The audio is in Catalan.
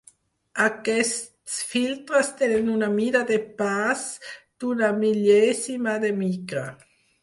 Aquests filtres tenen una mida de pas d'una mil·lèsima de micra.